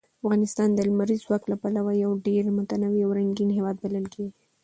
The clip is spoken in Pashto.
افغانستان د لمریز ځواک له پلوه یو ډېر متنوع او رنګین هېواد بلل کېږي.